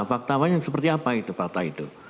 fakta apa yang seperti apa itu